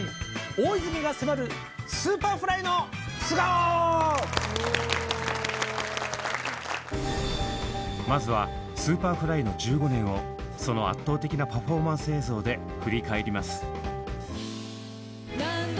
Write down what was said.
今回のテーマはまずはＳｕｐｅｒｆｌｙの１５年をその圧倒的なパフォーマンス映像で振り返ります。